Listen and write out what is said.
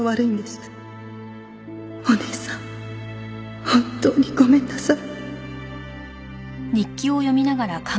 「お姉さん本当にごめんなさい」